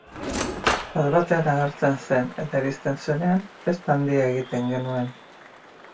Bat-batean agertzen zen, eta, iristen zenean, festa handia egiten genuen.